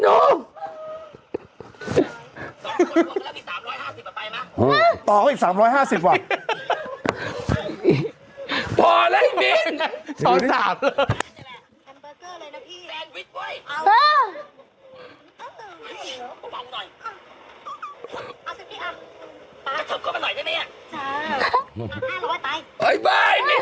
เออมึงต่อก่อนเค้ากล้องด้านล่างเนอะ